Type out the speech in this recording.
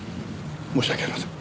申し訳ありません。